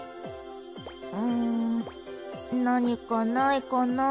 うん何かないかなぁ。